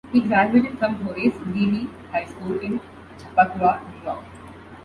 He graduated from Horace Greeley High School in Chappaqua, New York.